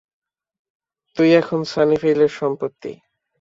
তুই এখন সানিভেইলের সম্পত্তি!